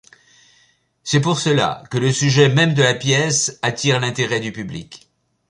C'est pour cela que le sujet même de la pièce attire l'intérêt du public.